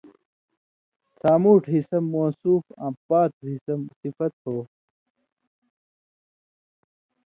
سامُوٹھوۡ حصہ موصُوف آں پاتُو حصہ صفت ہو